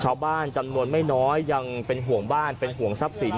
จำนวนไม่น้อยยังเป็นห่วงบ้านเป็นห่วงทรัพย์สิน